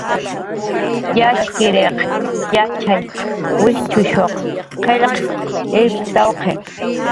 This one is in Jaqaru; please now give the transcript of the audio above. "Yatxchiriq yatxay wijchushuq qillq irptawq""i"